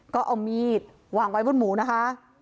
ก็เอามีดวางไว้บนหมูนะคะ